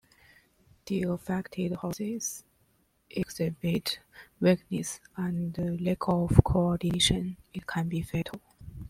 The affected horses exhibit weakness and lack of coordination; it can be fatal.